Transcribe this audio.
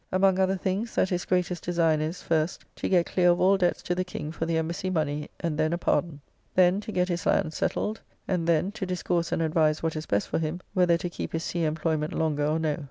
Among other things, that his greatest design is, first, to get clear of all debts to the King for the Embassy money, and then a pardon. Then, to get his land settled; and then to, discourse and advise what is best for him, whether to keep his sea employment longer or no.